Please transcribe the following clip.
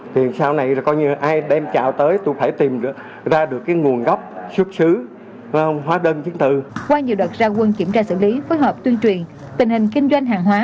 qua nhiều đợt ra quân kiểm tra xử lý phối hợp tuyên truyền tình hình kinh doanh hàng hóa